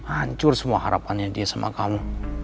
hancur semua harapannya dia sama kamu